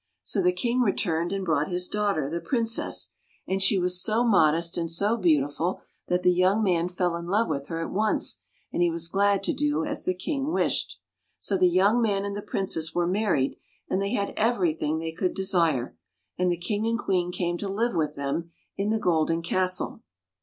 So the King re toned and brought his daughter, the Princess; and she was so modest and so beautiful that the young man fell in love with her at once, and he was glad to do as the King wished. So the young man and the Princess were married, and they had everything that they could desire. And the King and Queen came to live with them in the golden castle.